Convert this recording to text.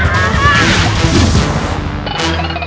tunjukin dengan mudah